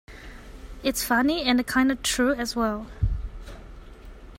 It's funny, and kinda true as well!